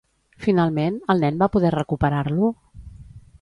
Finalment, el nen va poder recuperar-lo?